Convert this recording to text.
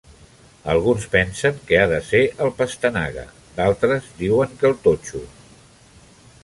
Alguns pensen que ha de ser el Pastenaga, d"altres diuen que el Totxo.